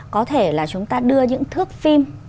có thể là chúng ta đưa những thước phim